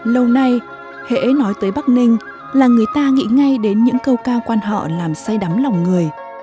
lâu nay hễ nói tới bắc ninh là người ta nghĩ ngay đến những câu ca quan họ làm say đắm lòng người